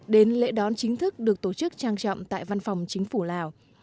đến lễ đón chính thức được tổ chức trang trọng tại văn phòng chính phủ lào